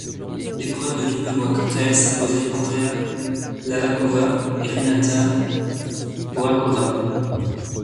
L'épreuve de double voit quant à elle s'imposer Andrea Hlaváčková et Renata Voráčová.